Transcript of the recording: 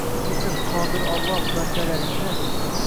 Kechir, Qodir Alloh, bandalaringni